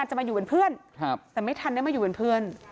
จะมาอยู่เป็นเพื่อนแต่ไม่ทันได้มาอยู่เป็นเพื่อน